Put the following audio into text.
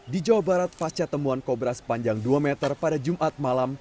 di jawa barat pasca temuan kobra sepanjang dua meter pada jumat malam